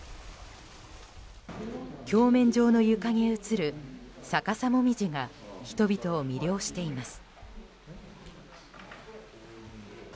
鏡面上の床に映る逆さもみじが人々を魅了しています。